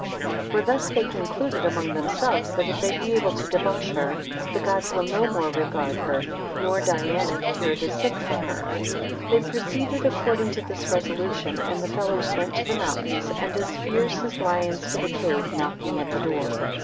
3 (For they thus concluded among themselves, that if they be able to debauch her, the gods will no more regard her nor Diana cure the sick for her). 4 They proceeded according to this resolution, and the fellows went to the mountain, and as fierce as lions to the cave, knocking at the door.